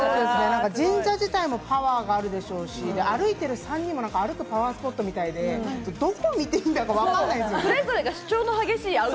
神社自体もパワーがあるでしょうし、歩いてる３人も歩くパワースポットみたいでどこを見ていいんだか、わかんない。